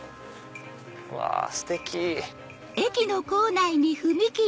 うわステキ！